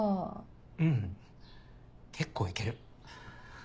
うん結構イケる。